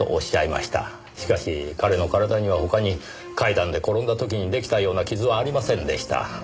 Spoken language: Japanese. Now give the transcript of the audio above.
しかし彼の体には他に階段で転んだ時に出来たような傷はありませんでした。